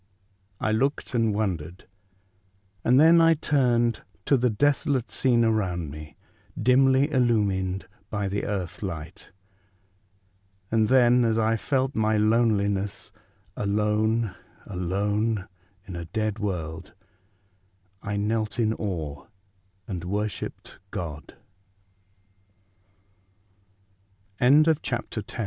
I looked and wondered, and then I turned to the desolate scene around me, dimly illumined by the earth light, and then, as I felt my lone* liness — alone, alone, in a dead world, — I knelt in awe and wor